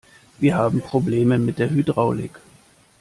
Wir haben Probleme mit der Hydraulik.